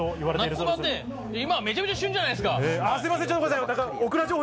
今めちゃめちゃ旬じゃないですか。